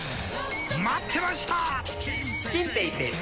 待ってました！